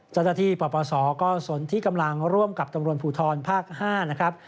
จันทธิปรปศก็สนที่กำลังร่วมกับตรงรวมภูทรภาค๕นะครับ